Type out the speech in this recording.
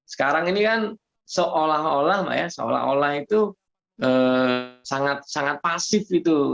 sekarang ini kan seolah olah sangat pasif